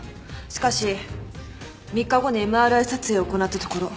しかし３日後にＭＲＩ撮影を行ったところ。